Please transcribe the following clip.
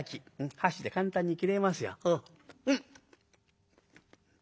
箸で簡単に切れますよ。